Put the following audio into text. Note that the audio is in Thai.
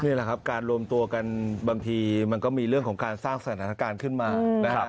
นี่แหละครับการรวมตัวกันบางทีมันก็มีเรื่องของการสร้างสถานการณ์ขึ้นมานะครับ